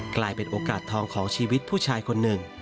กลายเป็นโอกาสทองของชีวิตผู้ชายคนหนึ่ง